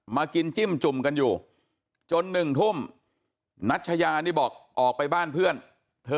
กินจิ้มจุ่มกันอยู่จน๑ทุ่มนัชยานี่บอกออกไปบ้านเพื่อนเธอ